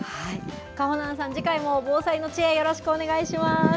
かほなんさん、次回も防災の知恵、よろしくお願いします。